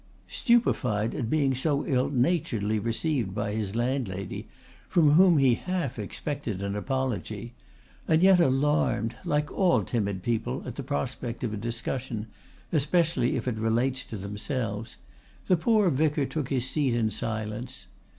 Stupefied at being so ill naturedly received by his landlady, from whom he half expected an apology, and yet alarmed, like all timid people at the prospect of a discussion, especially if it relates to themselves, the poor vicar took his seat in silence.